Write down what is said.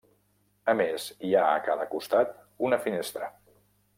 A més, hi ha, a cada costat, una finestra.